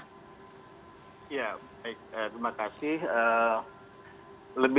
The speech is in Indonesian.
ya baik terima kasih